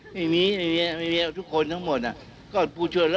สร้างความกระจางชัดแก่ประชาชน